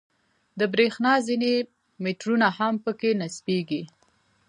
د برېښنا ځینې میټرونه هم په کې نصبېږي.